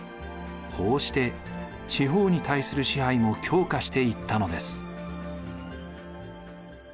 こうして地方に対する支配も強化していったのです。